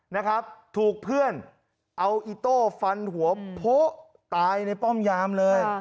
นะครับถูกเพื่อนเอาอิโต้ฟันหัวโพะตายในป้อมยามเลย